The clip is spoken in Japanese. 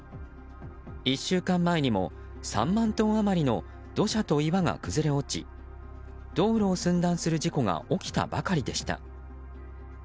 １週間前にも３万トン余りの土砂と岩が崩れ落ち道路を寸断する事故が起きたばかりでした。